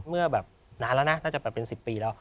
เมื่อนั้นแล้วนะน่าจะเป็น๑๐ปีแล้ว